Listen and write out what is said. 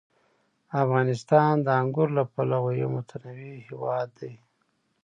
افغانستان د انګورو له پلوه یو متنوع هېواد دی.